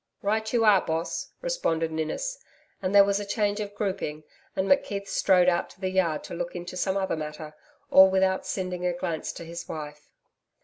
'Right you are, Boss,' responded Ninnis, and there was a change of grouping, and McKeith strode out to the yard to look into some other matter, all without sending a glance to his wife.